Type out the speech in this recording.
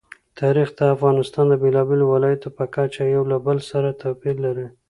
تاریخ د افغانستان د بېلابېلو ولایاتو په کچه یو له بل سره توپیر لري.